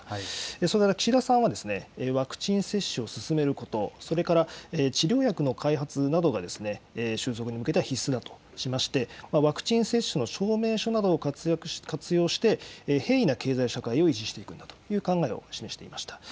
それから岸田さんは、ワクチン接種を進めること、それから治療薬の開発などが、収束に向けては必須だとしまして、ワクチン接種の証明書などを活用して、平易な経済社会を維持していくんだという考えを示していました。